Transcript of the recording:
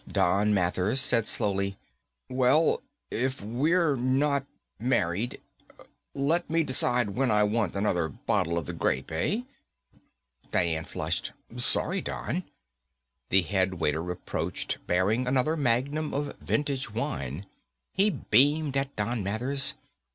Don Mathers said slowly, "Well, if we're not married, let me decide when I want another bottle of the grape, eh?" Dian flushed. "Sorry, Don." The headwaiter approached bearing another magnum of vintage wine. He beamed at Don Mathers.